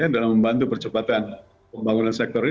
dalam membantu percepatan pembangunan sektor ini